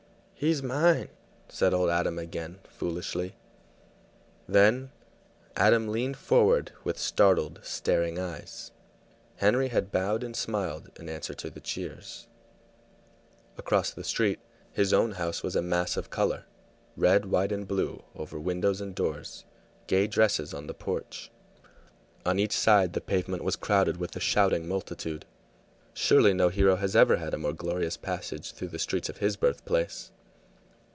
"He's mine!" said old Adam again, foolishly. Then Adam leaned forward with startled, staring eyes. Henry had bowed and smiled in answer to the cheers. Across the street his own house was a mass of color red, white, and blue over windows and doors, gay dresses on the porch. On each side the pavement was crowded with a shouting multitude. Surely no hero had ever had a more glorious passage through the streets of his birthplace!